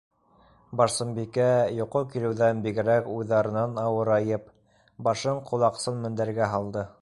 Барсынбикә, йоҡо килеүҙән бигерәк уйҙарынан ауырайып, башын ҡолаҡсын мендәргә һалды.